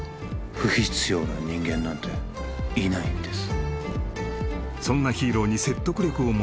不必要な人間なんていないんです